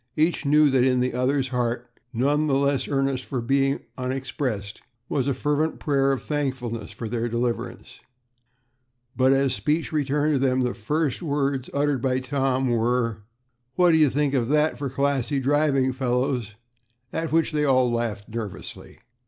Each knew that in the other's heart, none the less earnest for being unexpressed, was a fervent prayer of thankfulness for their deliverance; but as speech returned to them, the first words uttered by Tom, were, "What do you think of that for classy driving, fellows?" at which they all laughed nervously.